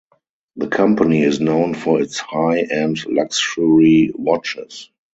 The company is known for its high end luxury watches.